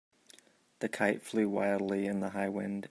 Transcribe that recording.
The kite flew wildly in the high wind.